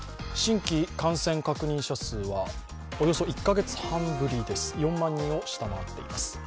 新規感染確認者数はおよそ１カ月半ぶりに４万人を下回っています。